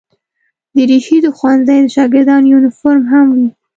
دریشي د ښوونځي د شاګردانو یونیفورم هم وي.